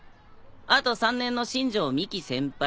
あと３年の新城ミキ先輩